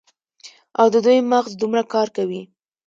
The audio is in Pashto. او د دوي مغـز دومـره کـار کـوي.